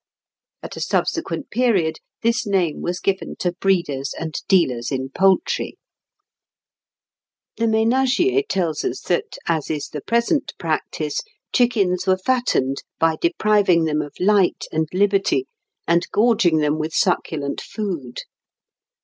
At a subsequent period this name was given to breeders and dealers in poultry (Fig. 92). The "Ménagier" tells as that, as is the present practice, chickens were fattened by depriving them of light and liberty, and gorging them with succulent food.